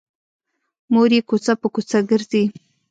مور یې کوڅه په کوڅه ګرځي